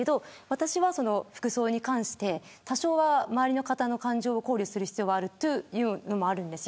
私は服装に関して多少は周りの方の感情を考慮する必要があるというのもあるんです。